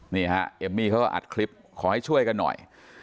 นี่ฮะเอมมี่เขาก็อัดคลิปขอให้ช่วยกันหน่อย